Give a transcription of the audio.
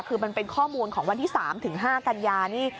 คือมันเป็นข้อมูลของวันที่๓ถึง๕กันยานี่